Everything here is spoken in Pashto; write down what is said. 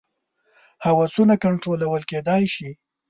هوسونه کنټرول کېدای شي.